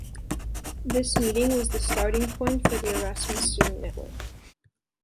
This meeting was the starting point for the Erasmus Student Network.